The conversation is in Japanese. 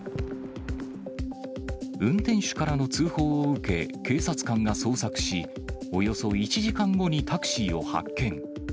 運転手からの通報を受け、警察官が捜索し、およそ１時間後にタクシーを発見。